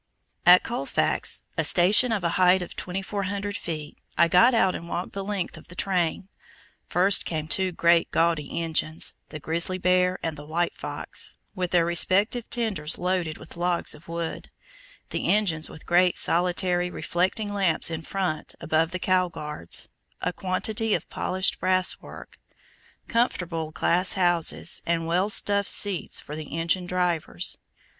At Colfax, a station at a height of 2,400 feet, I got out and walked the length of the train. First came two great gaudy engines, the Grizzly Bear and the White Fox, with their respective tenders loaded with logs of wood, the engines with great, solitary, reflecting lamps in front above the cow guards, a quantity of polished brass work, comfortable glass houses, and well stuffed seats for the engine drivers.